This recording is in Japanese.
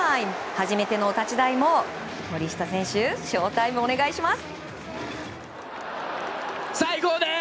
初めてのお立ち台も森下選手ショータイム、お願いします！